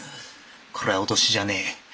これは脅しじゃねえ。